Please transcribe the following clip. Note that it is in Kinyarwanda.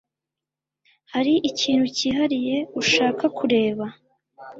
Hari ikintu cyihariye ushaka kureba?